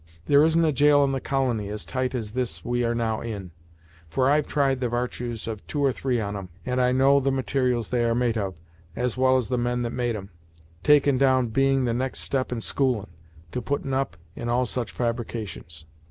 There isn't a gaol in the colony as tight as this we are now in; for I've tried the vartues of two or three on 'em, and I know the mater'als they are made of, as well as the men that made 'em; takin' down being the next step in schoolin', to puttin' up, in all such fabrications."